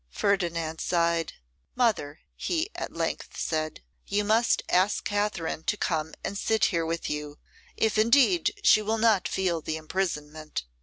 Ferdinand sighed. 'Mother,' he at length said, 'you must ask Katherine to come and sit here with you; if indeed she will not feel the imprisonment.